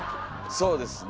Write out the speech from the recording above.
そうですね。